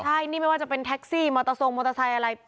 ใช่นี่ไม่ว่าจะเป็นแท็กซี่มอเตอร์ทรงมอเตอร์ไซค์อะไร